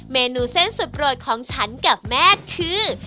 เมนูเส้นสุดโปรดของฉันกับแม่คือ